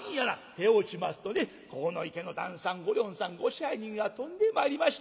手を打ちますとね鴻池の旦さんごりょんさんご支配人が飛んでまいりまして。